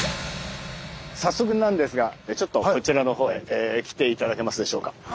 早速なんですがちょっとこちらのほうへ来て頂けますでしょうか。